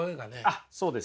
あっそうですね。